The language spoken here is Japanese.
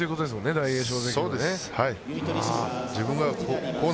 大栄翔関の。